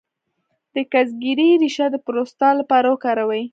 د ګزګیرې ریښه د پروستات لپاره وکاروئ